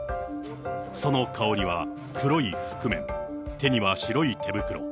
その顔には黒い覆面、手には白い手袋。